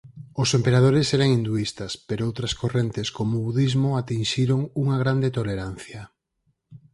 Os emperadores eran hinduístas pero outras correntes como o budismo atinxiron unha grande tolerancia.